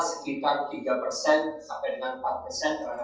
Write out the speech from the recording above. sekitar tiga sampai dengan empat